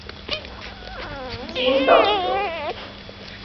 খেলা পরিচালনা করতে গিয়েছেন ভারতের দিল্লি, পুনে, মুম্বাই ও হায়দরাবাদে।